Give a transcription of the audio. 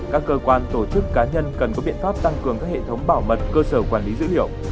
các cơ quan tổ chức cá nhân cần có biện pháp tăng cường các hệ thống bảo mật cơ sở quản lý dữ liệu